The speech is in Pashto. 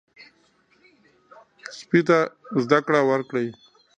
سپي ته زده کړه ورکړئ.